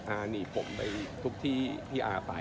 หนีผมไปทุกที่ที่อาไป